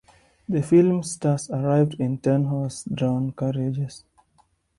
The film's stars arrived in ten horse-drawn carriages.